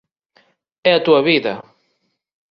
É a túa vida.